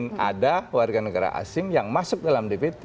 kemudian ada warga negara asing yang masuk dalam dpt